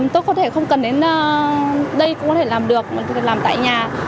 tôi có thể không cần đến đây cũng có thể làm được mình làm tại nhà